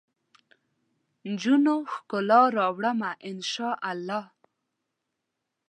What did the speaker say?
نجونو ؛ ښکلا راوړمه ، ان شا اللهدا